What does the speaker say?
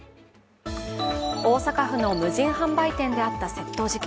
大阪府の無人販売店であった万引き事件。